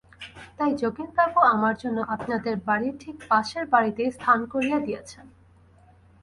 তাই যোগেনবাবু আমার জন্য আপনাদের বাড়ির ঠিক পাশের বাড়িতেই স্থান করিয়া দিয়াছেন।